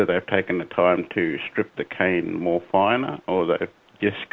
apakah mereka mengambil waktu untuk mencetak kain lebih baik